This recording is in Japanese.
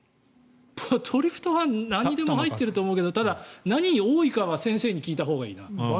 トリプトファンは何にでも入っていると思うけどただ、何が多いかは先生に聞いたほうがいいかな。